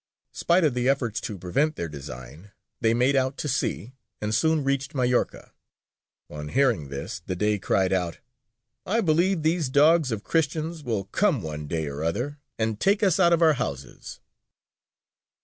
Spite of the efforts to prevent their design, they made out to sea, and soon reached Majorca. On hearing this the Dey cried out, 'I believe these dogs of Christians will come one day or other and take us out of our houses!'"